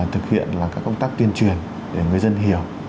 thực hiện các công tác tuyên truyền để người dân hiểu